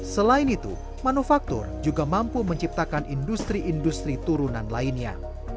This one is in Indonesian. selain itu manufaktur juga mampu menciptakan industri industri turunan lainnya